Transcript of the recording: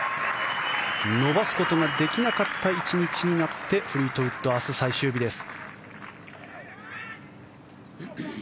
伸ばすことができなかった１日になってフリートウッド明日、最終日です。